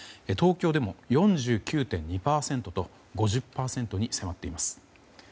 東京でも４９．２％と５０％に迫っています。